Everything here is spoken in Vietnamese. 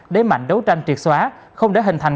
đế mạnh đấu tranh triệt xóa không để hình thành